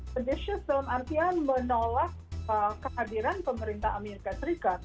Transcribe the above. leticious dalam artian menolak kehadiran pemerintah amerika serikat